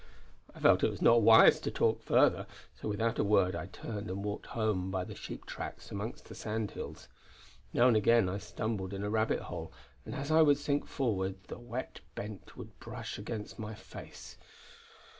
I felt it was not wise to talk further, so without a word I turned and walked home by the sheep tracks amongst the sand hills. Now and again I stumbled in a rabbit hole, and as I would sink forward the wet bent would brush against my face.